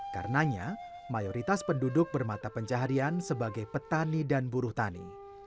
karena mayoritas penduduk bermata pencaharian sebagai petani dan buruh tani